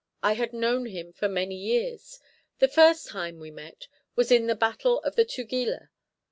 I had known him for many years. The first time we met was in the battle of the Tugela.